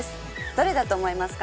どれだと思いますか？